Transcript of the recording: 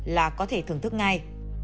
là có thể thưởng thức ngay